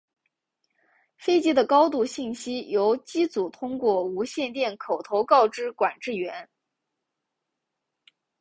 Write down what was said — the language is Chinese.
飞机的高度信息由机组通过无线电口头告知管制员。